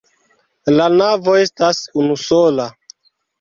La navo estas unusola.